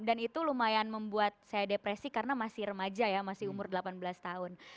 dan itu lumayan membuat saya depresi karena masih remaja ya masih umur delapan belas tahun